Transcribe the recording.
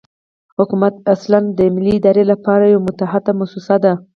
حکومت اصلاً د ملي ادارې لپاره یوه متحده موسسه ده.